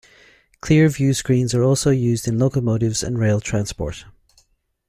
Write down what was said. Clear view screens are also used in locomotives and rail transport.